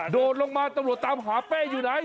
โดดลงมาตำรวจตามหาเป้อยู่ไหน